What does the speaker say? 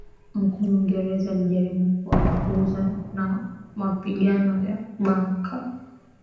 mkuu Mwingereza alijaribu kuwafukuza na mapigano ya Bunker